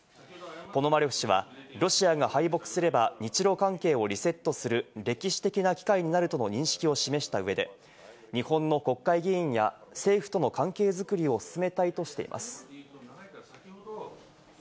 ポノマリョフ氏はロシアが敗北すれば日露関係をリセットする歴史的な機会になるとの認識を示した上で、日本の国会議員や政府との関係作りを進めたいとしています。